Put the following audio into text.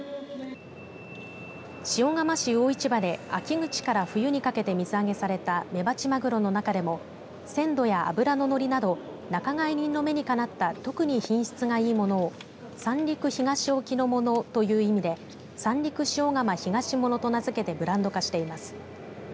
塩釜市魚市場で秋口から冬にかけて水揚げされたメバチマグロの中でも鮮度や脂の乗りなど仲買人の目にかなった特に品質がいいものを三陸東沖のものという意味で三陸塩竈ひがしものと名付けてブランド化しています。